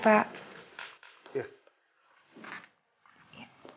aku harus bisa ke atas apa pun kondisi